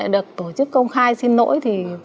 được tổ chức công khai xin lỗi